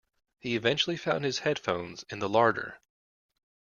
He eventually found his headphones in the larder.